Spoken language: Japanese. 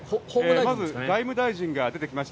まず外務大臣が出てきました。